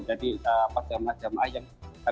jadi jemaah jemaah yang berada di dalam kesehatan